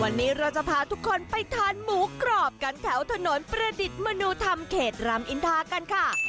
วันนี้เราจะพาทุกคนไปทานหมูกรอบกันแถวถนนประดิษฐ์มนุธรรมเขตรามอินทากันค่ะ